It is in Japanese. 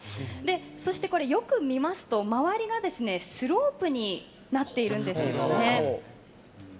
そして、よく見ますと周りがスロープになっているんですね。